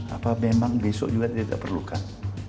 apa memang besok juga tidak perlukan